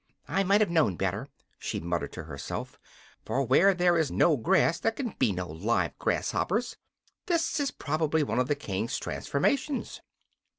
"I might have known better," she muttered to herself, "for where there is no grass there can be no live grasshoppers. This is probably one of the King's transformations."